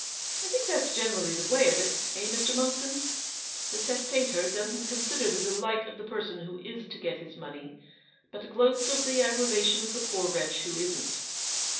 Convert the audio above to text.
I think that's gene rally the way of it, eh, Mr. Monckton? The testator doesn't consider the delight of the person who is to get his money, but gloats over the aggravation of the poor wretch who isn't."